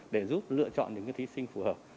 để giúp lựa chọn những thí sinh phù hợp